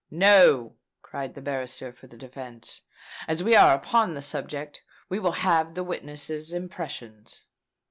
"No," cried the barrister for the defence: "as we are upon the subject, we will have the witness's impressions."